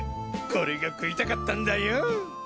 これが食いたかったんだよ！